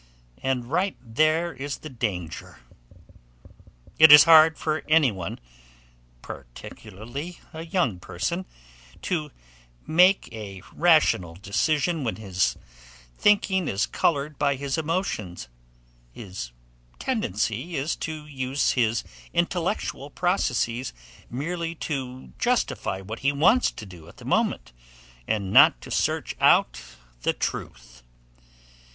And right there is the danger. It is hard for anyone particularly a young person to make a rational decision when his thinking is colored by his emotions; his tendency is to use his intellectual processes merely to justify what he wants to do at the moment, and not to search out the truth.